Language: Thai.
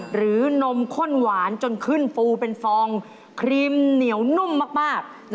นมข้นหวานจนขึ้นฟูเป็นฟองครีมเหนียวนุ่มมาก